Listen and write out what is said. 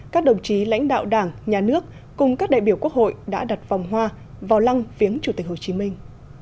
các đồng chí lãnh đạo đảng nhà nước cùng các đại biểu quốc hội đã đặt vòng hoa vào lăng viếng chủ tịch hồ chí minh